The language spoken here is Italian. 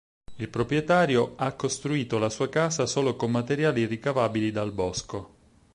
Il proprietario ha costruito la sua casa solo con materiali ricavabili dal bosco.